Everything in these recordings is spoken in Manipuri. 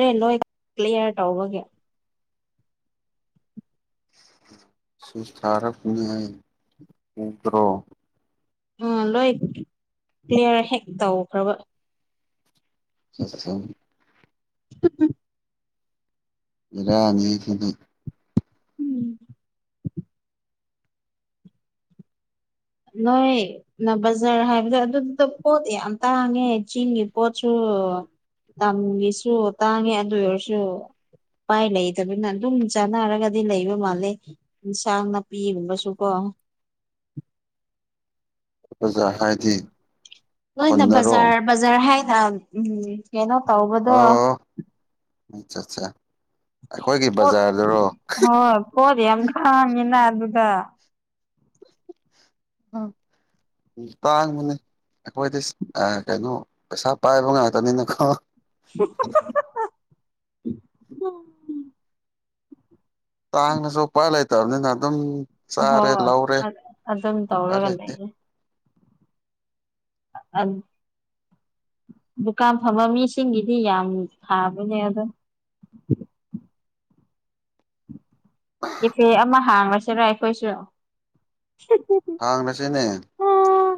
ꯑꯔꯦꯟ ꯅꯣꯏ ꯀ꯭ꯂꯤꯌꯥꯔ ꯇꯧꯕꯒꯦ ꯁꯁꯊꯔꯄꯅꯦ ꯎꯇ꯭ꯔꯣ ꯎꯝ ꯂꯣꯏ ꯀꯂꯤꯌꯥꯂꯤꯌꯥꯔ ꯍꯦꯛ ꯇꯧꯈ꯭ꯔꯕ ꯑ ꯎꯝ ꯏꯔ ꯃꯤ ꯊꯅꯤ ꯎꯝ ꯅꯣꯏ ꯕꯖꯥꯔ ꯍꯥꯏꯕꯗ ꯑꯗꯨꯗꯨꯗ ꯄꯣꯠ ꯌꯥꯝ ꯇꯥꯡꯉꯦ ꯆꯤꯡꯒꯤ ꯄꯣꯠꯁꯨ ꯇꯝꯒꯤꯁꯨ ꯇꯥꯡꯉꯦ ꯑꯗꯨ ꯑꯣꯏꯔꯁꯨ ꯎꯄꯥꯏ ꯂꯩꯇꯕꯅ ꯑꯗꯨꯝ ꯆꯥꯟꯅꯔꯒꯗꯤ ꯂꯩꯕ ꯃꯥꯜꯂꯦ ꯑꯦꯟꯁꯥꯡ ꯅꯥꯄꯤꯒꯨꯝꯕꯁꯨ ꯀꯣ [inaudible] ꯑꯣꯖ ꯂꯣꯏꯅ ꯕꯖꯥꯔ ꯕꯖꯥꯔ ꯍꯥꯏ ꯍ ꯎꯝ ꯌꯦꯅꯣ ꯇ ꯑꯣꯕꯗꯣ ꯑꯆꯥ ꯑꯆꯥ ꯍꯣꯏ ꯄꯣꯠ ꯌꯥꯝ ꯊꯥꯡꯃꯤꯅ ꯑꯗꯨꯗ ꯇꯥ ꯃꯅꯦ ꯑꯩꯈꯣꯏꯗꯤ ꯀꯩꯅꯣ ꯄꯩꯁꯥ ꯄꯥꯏꯕ ꯉꯥꯛꯇꯅꯤꯅꯀꯣ ꯎꯝ ꯇꯥꯡꯅꯁꯨ ꯎꯄꯥꯏ ꯂꯩꯇꯥꯕꯥꯅꯤꯅ ꯑꯗꯨꯝ ꯆꯔꯦ ꯍꯣꯏ ꯂꯧꯔꯦ ꯑꯗꯨꯝ ꯎꯄꯥꯢ ꯇꯧꯔꯒ ꯂꯩꯇꯦ ꯂꯩꯌꯦ ꯑꯟ ꯗꯨꯀꯥꯟ ꯐꯝꯕ ꯃꯤꯁꯤꯡꯒꯤꯗꯤ ꯌꯥꯝ ꯊꯥꯕꯅꯦ ꯑꯗꯣ [inaudible] ꯀꯦꯐꯦ ꯑꯃ ꯍꯥꯡꯉꯁꯤꯔꯥ ꯑꯩꯈꯣꯏꯁꯨ ꯍꯥꯡꯂꯥꯁꯤꯅꯦ ꯎꯝ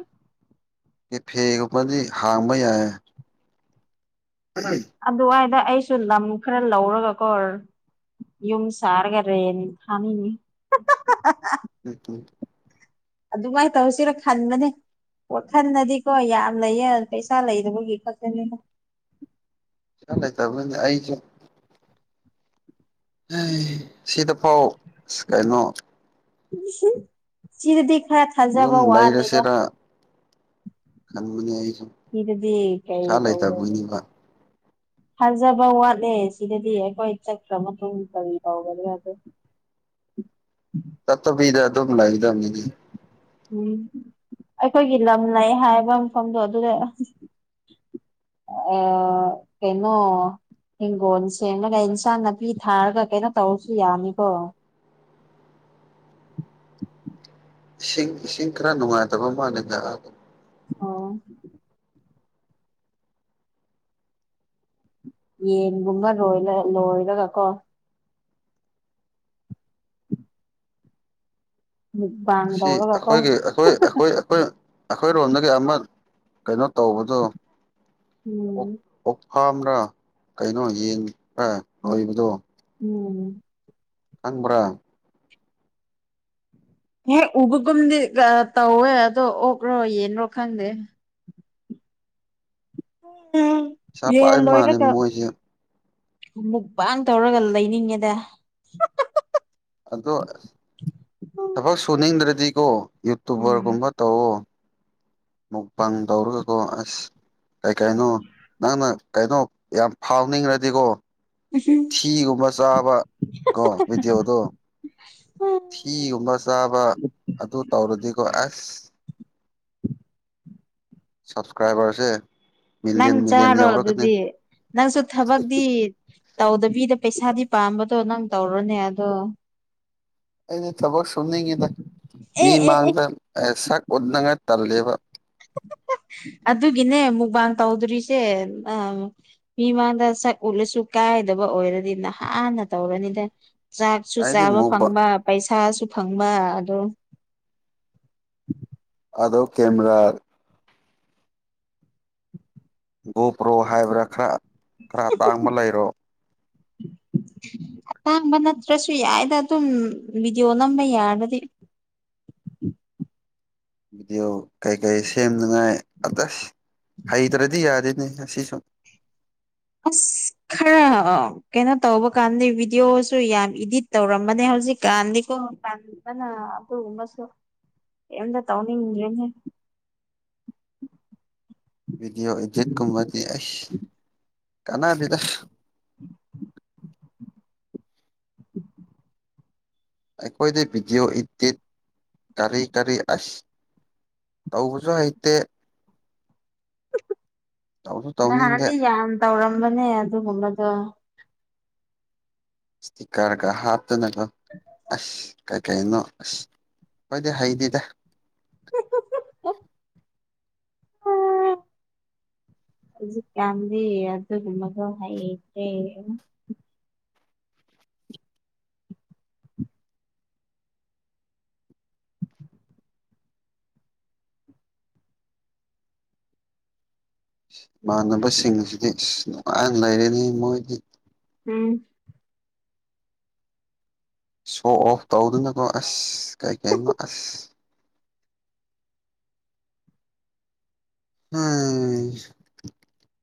ꯀꯦꯐꯦꯒꯨꯝꯕꯥꯗꯤ ꯍꯥꯡꯕ ꯌꯥꯌꯦ ꯑꯗꯨꯋꯥꯏꯗ ꯑꯩꯁꯨ ꯂꯝ ꯈꯔ ꯂꯧꯔꯒ ꯀꯣꯔ ꯌꯨꯝ ꯁꯥꯔꯒ ꯔꯦꯟ ꯊꯥꯅꯤꯡꯅꯤ [inaudible] ꯑꯗꯨꯃꯥꯏꯅ ꯇꯧꯁꯤꯔ ꯈꯟꯕꯅꯦ ꯋꯥꯈꯟꯗꯥꯗꯤꯀꯣ ꯌꯥꯝ ꯂꯩꯌꯦ ꯄꯩꯁꯥ ꯂꯩꯗꯕꯒꯤ ꯈꯛꯇꯅꯤꯗꯥ ꯄꯩꯁꯥ ꯂꯩꯇꯕꯩꯅꯦ ꯑꯩꯁꯨ ꯁꯤꯗꯐꯥꯎ ꯀꯩꯅꯣ ꯃꯨꯁꯨꯛ ꯁꯤꯗꯤ ꯈꯔ ꯌꯨꯝ ꯊꯥꯖꯕ ꯋꯥꯠꯂꯦꯗ ꯂꯩꯔꯁꯤꯔ ꯈꯟꯕꯅꯦ ꯑꯩꯁ ꯏꯗꯨꯗꯤ ꯀꯩ ꯇꯧꯗꯕꯥ ꯊꯥꯖꯕ ꯋꯥꯠꯂꯦ ꯁꯤꯗꯗꯤ ꯑꯩꯈꯣꯏ ꯆꯠꯈ꯭ꯔ ꯃꯇꯨꯡ ꯀꯔꯤ ꯇꯧꯗꯕꯥ ꯌꯗꯦ [inaudible] ꯇꯠꯇꯧꯕꯤꯗ ꯑꯗꯨꯃ ꯂꯏꯒꯗꯕꯅꯦ ꯃꯦ ꯎꯝ ꯑꯩꯈꯣꯏꯒꯤ ꯂꯝ ꯂꯩ ꯍꯥꯏꯕ ꯃꯐꯝꯗꯣ ꯑꯗꯨꯗ ꯑ ꯀꯩꯅꯣ ꯍꯤꯡꯒꯣꯜ ꯁꯦꯝꯃꯒ ꯏꯟꯁꯥꯡ ꯅꯥꯄꯤ ꯊꯥꯔꯒ ꯀꯩꯅꯣ ꯇꯧꯔꯁꯨ ꯌꯥꯅꯤꯀꯣ ꯏꯁꯤꯡ ꯏꯁꯤꯡ ꯈꯔ ꯅꯨꯡꯉꯥꯏꯇꯕ ꯃꯥꯂꯦꯗꯥꯑꯥ ꯑꯣ ꯌꯦꯟꯒꯨꯝꯕ ꯂꯣꯏ ꯂꯣꯏꯔꯒ ꯀꯣ ꯃꯨꯛꯕꯥꯡ ꯑꯁꯤ ꯇꯧꯔꯒ ꯀꯣ ꯑꯩꯈꯣꯏꯒꯤ ꯑꯩꯈꯣꯏ ꯑꯩꯈꯣꯏ ꯑꯩꯈꯣꯏ ꯑꯩꯈꯣꯏꯔꯣꯝꯗꯒꯤ ꯑꯃ ꯀꯩꯅꯣ ꯇꯧꯕꯗꯣ ꯎꯝ ꯐꯥꯝꯗ ꯀꯩꯅꯣ ꯌꯦꯟ ꯈꯔꯥ ꯂꯩꯕꯗꯣ ꯎꯝ ꯈꯪꯕ꯭ꯔꯥ ꯍꯦꯛ ꯎꯕꯒꯨꯝꯗꯤ ꯇꯧꯋꯦ ꯑꯗꯣ ꯑꯣꯛꯔꯣ ꯌꯦꯟ꯭ꯔꯣ ꯈꯪꯗꯦ ꯄꯩꯁꯥ ꯌꯦꯟ ꯄꯥꯏ ꯃꯥꯜꯂꯦ ꯂꯣꯏꯔꯒꯥ ꯃꯣꯏꯁꯦ ꯃꯨꯛꯕꯥꯡ ꯇꯧꯔꯒ ꯂꯩꯅꯤꯡꯉꯦꯗ ꯑꯗꯣ ꯊꯕꯛ ꯁꯨꯅꯤꯡꯗ꯭ꯔꯗꯤꯀꯣ ꯎꯝ ꯌꯨꯇꯨꯕꯔꯒꯨꯝꯕ ꯇꯧꯑꯣ ꯃꯨꯛꯕꯥꯡ ꯇꯧꯔꯒꯀꯣ ꯑꯁ ꯀꯩ ꯀꯩꯅꯣ ꯅꯪꯅ ꯀꯩꯅꯣ ꯌꯥꯝ ꯐꯥꯎꯅꯤꯡꯉꯥꯗꯤꯀꯣ ꯊꯤꯒꯨꯝꯕ ꯆꯥꯕ ꯀꯣ ꯚꯤꯗꯤꯑꯣꯗꯣ ꯊꯤꯒꯨꯝꯕ ꯆꯥꯕ ꯑꯗꯨ ꯇꯧꯔꯗꯤꯀꯣ ꯑꯁ ꯁꯞꯁꯀ꯭ꯔꯥꯏꯕꯔꯁꯦ ꯅꯪ ꯃꯤꯂꯤꯌꯟ ꯃꯤꯂꯤꯌꯟ ꯆꯥꯔꯣ ꯌꯧꯔꯛꯀꯅꯤ ꯑꯗꯨꯗꯤ ꯅꯪꯁꯨ ꯊꯕꯛꯇꯤ ꯇꯧꯗꯕꯤꯗ ꯄꯩꯁꯥꯗꯤ ꯄꯥꯝꯕꯗꯣ ꯅꯪ ꯇꯧꯔꯣꯅꯦ ꯑꯗꯣ ꯑꯩꯅ ꯊꯕꯛ ꯁꯨꯅꯤꯡꯉꯤꯗ ꯃꯤ ꯑꯦ ꯑꯦ ꯑꯦ ꯃꯥꯡꯗ ꯁꯛ ꯑꯣꯅꯉꯥꯏ ꯇꯜꯂꯦꯕ [inaudible] ꯑꯗꯨꯒꯤꯅꯦ ꯃꯨꯛꯕꯥꯥꯡ ꯇꯧꯗꯣꯔꯤꯁꯦ ꯃꯤꯃꯥꯡꯗ ꯁꯛ ꯎꯠꯂꯁꯨ ꯀꯥꯏ ꯗꯥꯕ ꯑꯣꯏꯔꯗꯤ ꯅꯍꯥꯟꯅ ꯇꯧꯔꯅꯤꯗ ꯆꯥꯛꯁꯨ ꯑꯩꯗꯤ ꯆꯥꯕ ꯃꯨꯕ ꯐꯪꯕ ꯄꯩꯁꯥꯁꯨ ꯐꯪꯕ ꯑꯗꯣ ꯑꯗꯣ ꯀꯦꯝꯃꯔꯥ ꯒꯣꯄ꯭ꯔꯣ ꯍꯥꯏꯕ꯭ꯔꯥ ꯈꯔ ꯈꯔ ꯇꯥꯡꯕ ꯂꯩꯔꯣ [inaudible] ꯑꯇꯥꯡꯕ ꯅꯠꯇ꯭ꯔꯁꯨ ꯌꯥꯏꯗ ꯑꯗꯨꯝ ꯚꯤꯗꯤꯑꯣ ꯅꯝꯕ ꯌꯥꯔꯒꯗꯤ ꯎ ꯚꯗꯤꯑꯣ ꯀꯩꯀꯩ ꯁꯦꯝꯅꯉꯥꯏ ꯑꯗꯁ ꯍꯩꯇ꯭ꯔꯗꯤ ꯌꯥꯗꯦꯅꯦ ꯑꯁꯤꯁꯨꯨꯝ ꯑꯁ ꯈꯔ ꯀꯩꯅꯣ ꯇꯧꯕ ꯀꯥꯟꯗꯤ ꯚꯤꯗꯤꯑꯣꯁꯨ ꯌꯥꯝ ꯏꯗꯤꯠ ꯇꯧꯔꯝꯕꯅꯦ ꯍꯧꯖꯤꯛꯀꯥꯟꯗꯤꯣ ꯅ ꯑꯗꯨꯒꯨꯝꯕꯁꯨ ꯑꯦꯝꯇ ꯇꯧꯅꯤꯡꯉꯦꯅꯦ [unintelligible] ꯚꯤꯗꯤꯑꯣ ꯏꯗꯤꯠꯀꯨꯝꯕꯗꯤ ꯑꯩꯁ ꯀꯥꯟꯅꯕꯤꯗ ꯎꯝ ꯑꯩꯈꯣꯏꯗꯤ ꯕꯤꯗꯤꯑꯣ ꯏꯇꯠ ꯀꯥꯔꯤ ꯀꯥꯔꯤ ꯑꯁ ꯇꯧꯕꯁꯨ ꯍꯩꯇꯦ ꯇꯧꯁꯨ ꯇꯧꯅꯤꯡꯗꯦ ꯅꯍꯥꯟꯗꯤ ꯌꯥꯝ ꯇꯧꯔꯝꯕꯅꯦ ꯑꯗꯨꯒꯨꯝꯕꯗꯣ ꯁꯤꯤꯀꯔꯒ ꯍꯥꯠꯇꯅꯒꯣ ꯑꯁ ꯀꯥꯏ ꯀꯥꯏꯩꯅꯣꯁ ꯍꯣꯏꯗꯦ ꯍꯩꯗꯗꯦ ꯎꯝ ꯍꯧꯖꯤꯛꯀꯥꯟꯗꯤ ꯑꯗꯨ ꯃꯗꯨ ꯍꯥꯏꯩꯇ꯭ꯔꯦ ꯏꯃꯥꯟꯅꯕꯁꯤꯡꯁꯤꯗꯤ ꯅꯨꯡꯉꯥꯏꯅ ꯂꯩꯔꯅꯤ ꯃꯣꯏꯗꯤ ꯎꯝ ꯁꯣ ꯑꯣꯐ ꯇꯧꯗꯨꯅꯅꯕꯣ ꯑꯁ ꯀꯩ ꯀꯅꯣ ꯑꯁ ꯑꯝ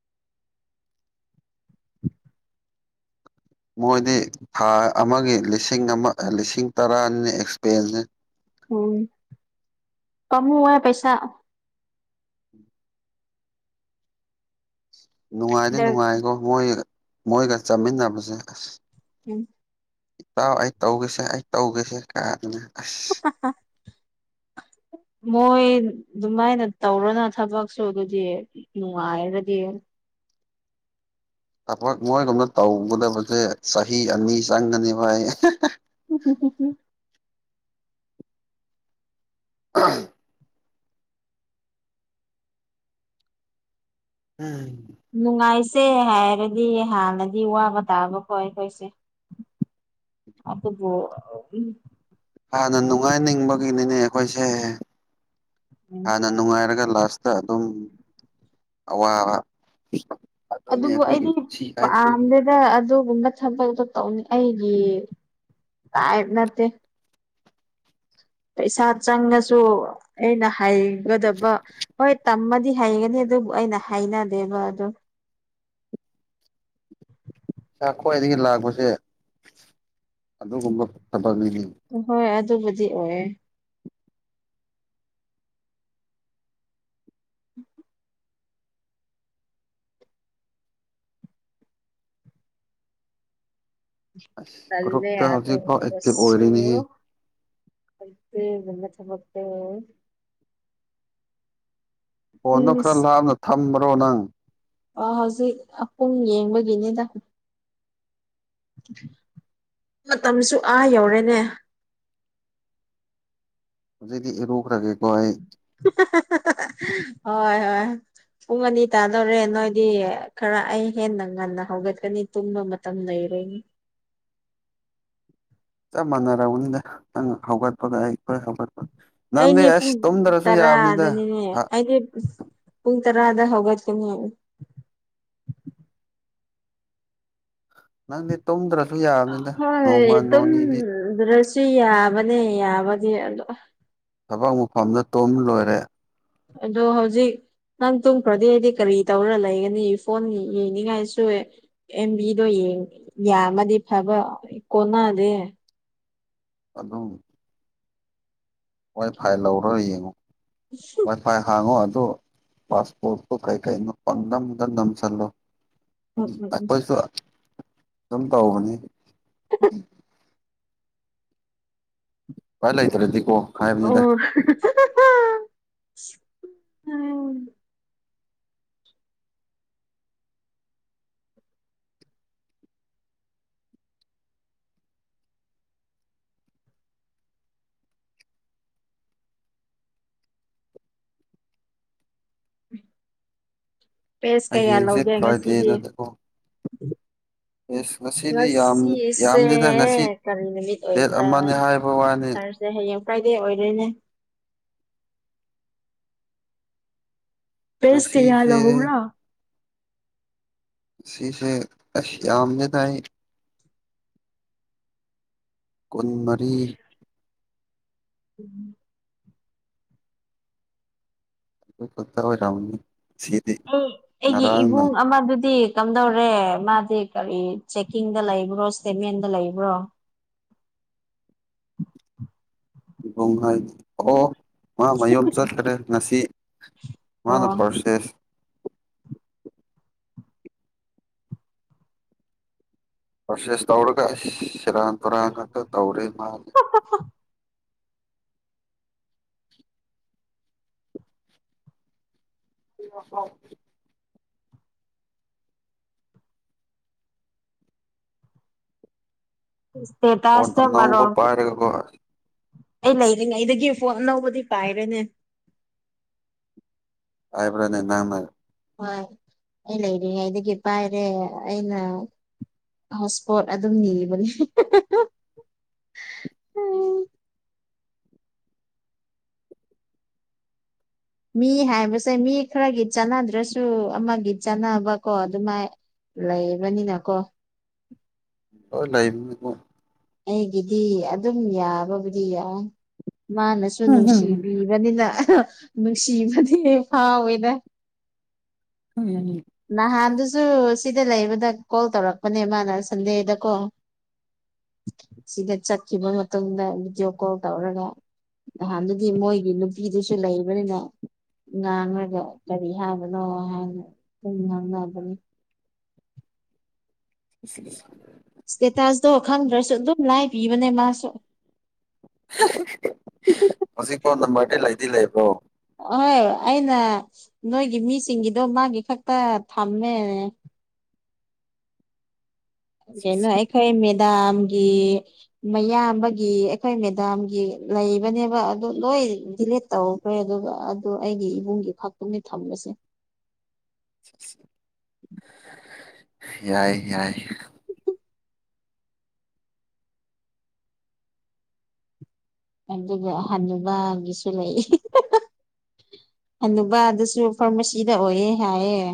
ꯃꯣꯏꯗꯤ ꯊꯥ ꯑꯃꯒꯤ ꯂꯤꯁꯤꯡ ꯑꯃ ꯂꯤꯁꯤꯡ ꯇꯔꯥꯅꯤ ꯑꯦꯛꯁꯄꯔꯤꯌꯦꯟꯁꯅꯤ ꯎꯝ ꯀꯃ ꯍ ꯄꯩꯁꯥ ꯅꯨꯡꯉꯥꯏꯗꯤ ꯗꯔ ꯅꯨꯡꯉꯥꯏꯀꯣ ꯃꯣꯏ ꯃꯣꯏꯒ ꯆꯠꯃꯤꯟꯅꯕꯁꯦ ꯑꯁ ꯎꯝ ꯏꯇꯥꯎ ꯑꯩ ꯇꯧꯒꯦꯁꯦ ꯑꯩ ꯇꯧꯒꯦꯁꯦ ꯀꯥꯗꯅ ꯑꯁ [unintelligible] ꯃꯣꯏ ꯑꯗꯨꯃꯥꯏꯅ ꯇꯧꯔꯅ ꯊꯕꯛꯁꯨ ꯑꯗꯨꯗꯤ ꯅꯨꯡꯉꯥꯏꯔꯗꯤ ꯊꯕꯛ ꯃꯣꯏꯒꯨꯝꯅ ꯇꯧꯒꯗꯕꯁꯦ ꯆꯍꯤ ꯑꯅꯤ ꯆꯪꯒꯅꯤ ꯚꯥꯏ ꯊꯀꯦ ꯊꯀꯦ ꯑ ꯎꯝ ꯅꯨꯡꯉꯥꯏꯁꯦ ꯍꯥꯏꯔꯗꯤ ꯍꯥꯟꯅꯗꯤ ꯋꯥꯕ ꯇꯥꯕꯀꯣ ꯑꯩꯈꯣꯏꯁꯦ ꯑ ꯎ ꯍꯥꯟꯅ ꯅꯨꯡꯉꯥꯏꯅꯤꯡꯕꯒꯤꯅꯤꯅꯦ ꯑꯩꯈꯣꯏꯁꯦ ꯎꯝ ꯍꯥꯟꯅ ꯅꯨꯡꯉꯥꯏꯔꯒ ꯀ꯭ꯂꯥꯁꯇ ꯑꯗꯨꯝ ꯑꯋꯥꯕ ꯑꯗꯨꯅꯤ ꯑꯗꯨꯕꯨ ꯑꯩꯈꯣꯏꯒꯤ ꯑꯩꯗꯤ ꯄꯨꯟꯁꯤ ꯍꯥꯏꯁꯤ ꯄꯥꯝꯗꯦꯗ ꯑꯗꯨꯒꯨꯝ ꯊꯟꯕꯛꯇꯣ ꯇꯧꯅꯤ ꯑꯩꯒꯤ ꯇꯥꯏꯞ ꯅꯠꯇꯦ ꯄꯩꯁꯥ ꯆꯪꯉꯁꯨ ꯑꯩꯅ ꯍꯥꯏꯒꯗꯕ ꯍꯣꯏ ꯇꯝꯃꯗꯤ ꯍꯩꯒꯅꯤ ꯑꯗꯨꯕꯨ ꯑꯩꯅ ꯍꯥꯏꯅꯗꯦꯕ ꯑꯗꯣ ꯏꯁꯥ ꯈ꯭ꯋꯥꯏꯗꯒꯤ ꯂꯥꯛꯄꯁꯦ ꯑꯗꯨꯒꯨꯝꯕ ꯊꯕꯛꯅꯤꯗꯤ ꯁꯕꯤ ꯑꯣꯏ ꯇꯂꯦ ꯒ꯭ꯔꯨꯞꯇ ꯑꯗꯨ ꯍꯧꯖꯤꯛꯐꯥꯎ ꯑꯦꯛꯇꯤꯚ ꯍꯒꯁꯨ ꯑꯣꯏꯔꯤꯅꯤꯍꯦ ꯃ ꯐ ꯍꯣꯟꯅ ꯈꯔ ꯂꯥꯞꯅ ꯊꯝꯕ꯭ꯔꯣ ꯅꯪ ꯑꯣ ꯍꯧꯖꯤꯛ ꯄꯨꯡ ꯌꯦꯡꯕꯒꯤꯅꯤꯗ ꯃꯇꯝꯁꯨ ꯑꯥ ꯌꯧꯔꯦꯅꯦ ꯆꯗꯤ ꯔꯣꯈꯔꯒꯀ ꯍꯥꯏ ꯍꯣꯏ ꯍꯣꯏ ꯄꯨꯡ ꯑꯅꯤ ꯇꯥꯗꯧꯔꯦ ꯅꯣꯏꯗꯤ ꯈꯔ ꯑꯩ ꯍꯦꯟꯅ ꯉꯟꯅ ꯍꯧꯒꯠꯀꯅꯤ ꯇꯨꯝꯕ ꯃꯇꯝ ꯂꯩꯔ ꯂꯩꯅꯤ ꯆꯞ ꯃꯥꯟꯅꯔꯅꯤꯗ ꯅꯪ ꯍꯧꯒꯠꯄꯒ ꯑꯩꯈꯣꯏ ꯍꯧꯒꯠꯄ ꯅꯪꯗꯤ ꯑꯩꯅꯦ ꯑꯁ ꯄꯨꯡ ꯇꯨꯝꯗ꯭ꯔꯁꯨ ꯌꯥꯕꯅꯤꯗ ꯇꯔꯥꯗꯅꯤꯅꯦ ꯑꯩꯗꯤ ꯄꯨꯡꯨꯡ ꯇꯔꯥ ꯑꯗ ꯍꯧꯒ ꯀꯃꯤ ꯍꯥꯏ ꯅꯪꯗꯤ ꯇꯣꯝ꯭ꯔ ꯍꯣꯏ ꯑꯦꯝ ꯔꯁ ꯁꯤ ꯌꯥꯕꯅꯦ ꯌꯥꯕꯗꯤ ꯑꯗꯣ ꯊꯕꯛ ꯃꯐꯝꯗ ꯇꯨꯝ ꯂꯣꯏꯔꯦ ꯑꯗꯣ ꯍꯧꯖꯤꯛ ꯅꯪ ꯇꯨꯝꯈ꯭ꯔꯗꯤ ꯑꯩꯗꯤ ꯀꯔꯤ ꯇꯧꯔ ꯂꯩꯒꯅꯤ ꯐꯣꯟ ꯌꯦꯡꯅꯤꯡꯉꯥꯏꯁꯨ ꯑꯦꯝꯕꯤꯗꯣ ꯌꯥꯝꯃꯗꯤ ꯐꯕ ꯀꯅꯥꯗꯦ ꯑꯗꯨꯗꯣ ꯋꯥꯏ ꯐꯥꯏ ꯂꯧꯔꯣꯏ ꯌꯦꯡꯉꯣ ꯋꯥꯏ ꯐꯥꯏ ꯍꯥꯡꯉꯣ ꯄꯥꯁꯄꯣꯠ ꯇ ꯀꯩ ꯀꯩ ꯅ ꯄꯗ ꯅꯝ ꯆꯜꯂꯣ ꯎꯝ ꯎꯝ ꯑꯩꯈꯣꯏꯁꯨ ꯁꯨꯝ ꯇꯧꯕꯅꯤ ꯐꯂꯥꯏꯇꯔꯦ ꯇꯤꯛꯣ ꯑꯣ ꯄꯦꯁ ꯀꯌꯥ ꯍꯌꯦꯡꯁꯦ ꯂꯧꯒꯦ ꯐ꯭ꯔꯥꯏꯗꯦ ꯉꯁꯤꯗꯤ ꯅꯠꯇꯀꯣ ꯑꯦꯁ ꯉꯁꯤꯗꯤ ꯌꯥꯝ ꯉꯁꯦ ꯌꯥꯝꯗꯦꯗ ꯉꯁꯤ ꯀꯔꯤ ꯅꯨꯃꯤꯠ ꯗꯦꯠ ꯑꯣꯏꯕ꯭ꯔꯥ ꯑꯃꯅꯦ ꯍꯥꯏꯕ ꯋꯥꯅꯤ ꯁꯥꯔꯁꯦ ꯍꯌꯦꯡ ꯀꯥꯏꯗꯩ ꯑꯣꯏꯔꯣꯏꯅꯦ ꯄꯦꯁ ꯀꯩꯌꯥꯂ ꯉꯁꯤꯁꯦ ꯍꯧꯕ꯭ꯔꯥ ꯁꯤꯁꯤꯡꯁꯦ ꯑꯁ ꯌꯥꯝꯅ ꯊꯥꯏ ꯀꯨꯟꯃꯔꯤ ꯎꯝ ꯀꯠꯇ ꯑꯣꯏꯔꯥꯎꯅꯤ ꯑꯩꯒꯤ ꯏꯕꯨꯡ ꯑꯃꯗꯨꯗꯤ ꯀꯝꯗꯧꯔꯦ ꯃꯥꯗꯤ ꯀꯔꯤ ꯆꯦꯛꯀꯤꯡꯗ ꯂꯩꯕ꯭ꯔꯣ ꯁꯇꯦꯃꯦꯟꯗ ꯂꯩꯕ꯭ꯔꯣ [unintelligible] ꯍꯥꯏ ꯑꯣ ꯃꯥ ꯃꯌꯨꯝ ꯆꯠꯇ꯭ꯔꯦ ꯉꯁꯤ ꯃꯥꯅ ꯑꯣ ꯄꯔꯁꯦꯁ ꯄꯁꯦꯁ ꯇꯧꯔꯒ ꯁꯤꯔꯥꯟ ꯇꯨꯔꯅꯠꯇ ꯇꯧꯔꯤ ꯃꯥꯜꯂꯤꯦ ꯑꯣ ꯏꯁꯇꯦꯇꯥꯁꯇ ꯑꯣꯅꯧꯧꯕ ꯃꯔꯣꯜ ꯄꯥꯏꯔꯒꯀꯣ ꯑꯩ ꯂꯩꯔꯤꯉ ꯑꯩꯗꯒꯤ ꯐꯣꯟ ꯑꯅꯧꯕꯗꯤ ꯄꯥꯏꯔꯦꯅꯦ ꯍꯥꯏꯕ꯭ꯔꯅꯦ ꯅꯪ ꯅ ꯍꯣꯏ ꯑꯩ ꯂꯩꯔꯤꯉꯩꯗꯒꯤ ꯄꯥꯏꯔꯦ ꯑꯩꯅ ꯍꯣꯠ ꯏꯁꯄꯣꯠ ꯑꯗꯨꯝ ꯅꯤꯕꯅꯤ ꯎꯝ ꯃꯤ ꯍꯥꯏꯕꯁꯦ ꯃꯤ ꯈꯔꯒꯤ ꯆꯥꯟꯅꯗ꯭ꯔꯁꯨ ꯑꯃꯒꯤ ꯆꯥꯟꯅꯕꯀꯣ ꯑꯗꯨꯃꯥꯏ ꯂꯩꯕꯅꯤꯅ ꯀꯣ ꯍ ꯂꯩ ꯑꯩꯒꯤꯗꯤ ꯑꯗꯨꯝ ꯌꯥꯕꯕꯨꯗꯤ ꯌꯥꯏ ꯃꯥꯅꯁꯨ ꯅꯨꯡꯁꯤꯕꯤꯕꯅꯤꯅ ꯅꯨꯡꯁꯤꯕꯗꯤ ꯐꯥꯎꯋꯦꯗ ꯅꯍꯥꯟꯗꯨꯁꯨ ꯁꯤꯗ ꯂꯩꯕꯗ ꯀꯣꯜ ꯇꯧꯔꯛꯄꯅꯦ ꯃꯥꯅ ꯁꯟꯗꯦꯗꯀꯣ ꯁꯤꯗ ꯆꯠꯈꯤꯕ ꯃꯇꯝꯗ ꯚꯤꯗꯤꯑꯣ ꯀꯣꯜ ꯇꯧꯔꯒ ꯅꯍꯥꯟ ꯑꯗꯨꯗꯤ ꯃꯣꯏꯒꯤ ꯅꯨꯄꯤꯗꯨꯁꯨ ꯂꯩꯕꯅꯤꯅ ꯉꯥꯡꯉꯒꯣ ꯀꯔꯤ ꯍꯥꯏꯕꯅꯣ ꯍꯥꯏꯅꯨꯝ ꯉꯪꯅꯕꯅꯤ ꯑ ꯑꯇꯣ ꯈꯪꯗ꯭ꯔꯁꯨ ꯑꯗꯨꯝ ꯂꯥꯏ ꯄꯤꯕꯅꯦ ꯃꯥꯁꯨ ꯍꯧꯖꯤꯛ ꯐꯥꯎ ꯅꯝꯕꯔꯗꯤ ꯂꯩꯗꯤ ꯂꯩꯕ꯭ꯔꯣ ꯑꯍꯣꯏ ꯑꯩꯅ ꯅꯣꯏꯒꯤ ꯃꯤꯁꯤꯡꯒꯤꯗꯣ ꯃꯥꯒꯤ ꯈꯛꯇ ꯊꯝꯃꯦ ꯥꯏꯈ ꯃ ꯃꯦꯗꯥꯝꯒꯤ ꯃꯌꯥꯝꯕꯒꯤ ꯑꯩꯈꯣꯏ ꯃꯦꯗꯥꯝꯒꯤ ꯂꯩꯕꯅꯦꯕ ꯑꯗꯨ ꯂꯣꯏ ꯑꯩ ꯗꯤꯂꯦꯠ ꯇꯧꯈ꯭ꯔꯦ ꯑꯗꯨꯒ ꯑꯗꯨ ꯑꯩꯒꯤ ꯏꯕꯨꯡꯒꯤ ꯈꯛꯇꯨꯡꯗꯤ ꯊꯝꯂꯁꯦ ꯌꯥꯏ ꯌꯥꯏ ꯑꯗꯨꯒ ꯍꯕꯒꯤꯁꯨ ꯂꯩ ꯑꯅꯕꯥ ꯑꯗꯨꯁꯨ ꯐꯥꯔꯃꯥꯁꯤꯗ ꯑꯣꯏꯌꯦꯦ ꯍꯥꯏꯌꯦ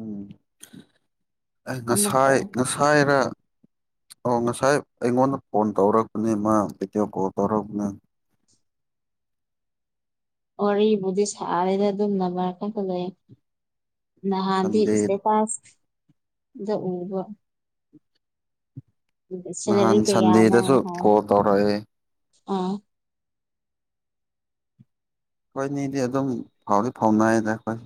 ꯎꯝ ꯑꯩ ꯑꯃꯨꯛꯀ ꯉꯁꯥꯏ ꯉꯁꯥꯏꯅ ꯑꯣ ꯉꯁꯥꯏ ꯑꯩꯉꯣꯟꯗ ꯐꯣꯟ ꯇꯧꯔꯛꯄꯅꯦ ꯃꯥ ꯚꯦꯗꯤꯑꯣ ꯀꯣꯜ ꯇꯧꯔꯛꯄꯅꯦ ꯑꯔ ꯗꯤꯁ ꯑꯜꯔ ꯀ ꯂꯩ ꯅꯍꯥꯟꯗꯤ ꯁꯟꯗꯦ ꯏꯁꯀ ꯄꯥꯁ ꯗ ꯎꯕ ꯁꯤꯅꯔꯤ ꯅꯍꯥꯟ ꯀꯌꯥꯅ ꯁꯟꯗꯦꯗꯁꯨ ꯑꯍ ꯀꯣꯜ ꯇꯧꯔꯛꯑꯦ ꯑ ꯍꯣꯏꯅꯦꯗꯤ ꯑꯗꯨꯝ ꯐꯥꯎꯗꯤ ꯐꯥꯎꯅ ꯍꯥꯏꯗ ꯑꯩꯈꯣꯏ